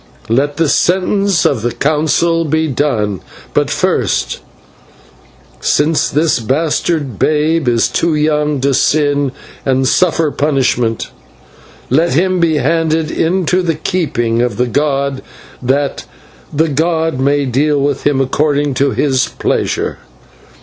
Let the sentence of the Council be done. But first, since this bastard babe is too young to sin and suffer punishment, let him be handed into the keeping of the god, that the god may deal with him according to his pleasure."